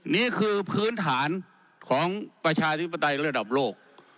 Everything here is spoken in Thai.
นี่คือพื้นฐานของประชาธิปไตยระดับโลก